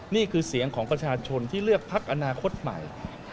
นี่คือเสียงของประชาชนที่เลือกพักอนาคตใหม่